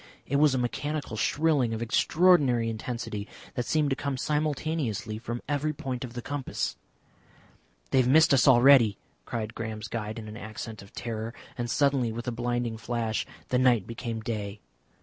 It was a mechanical shrilling of extraordinary intensity that seemed to come simultaneously from every point of the compass. "They have missed us already!" cried Graham's guide in an accent of terror, and suddenly, with a blinding flash, the night became day.